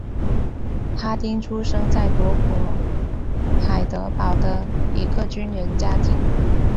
哈丁出生在德国海德堡的一个军人家庭。